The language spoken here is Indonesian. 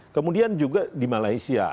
kemudian juga di malaysia